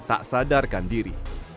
tak sadarkan diri